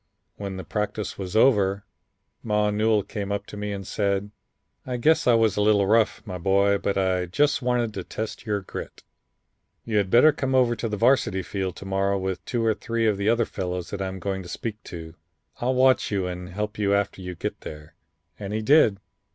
When the practice was over, Ma Newell came up to me and said: 'I guess I was a little rough, my boy, but I just wanted to test your grit. You had better come over to the Varsity field to morrow with two or three of the other fellows that I am going to speak to. I'll watch you and help you after you get there.' And he did.